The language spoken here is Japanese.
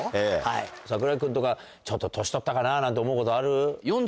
櫻井君とかちょっと年取ったかななんて思うことある？